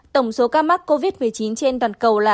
tổng số ca mắc covid một mươi chín trên toàn cầu là hai trăm linh